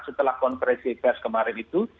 setelah konferensi pers kemarin itu